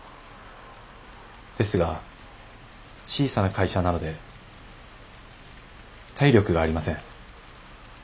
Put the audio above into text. ですが小さな会社なので体力がありません。